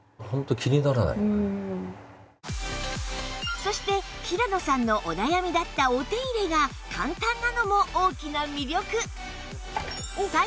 そして平野さんのお悩みだったお手入れが簡単なのも大きな魅力